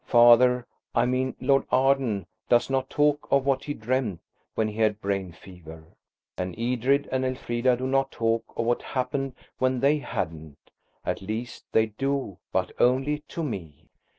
Father–I mean Lord Arden–does not talk of what he dreamed when he had brain fever. And Edred and Elfrida do not talk of what happened when they hadn't. At least they do, but only to me.